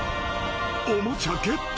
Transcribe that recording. ［おもちゃゲット？］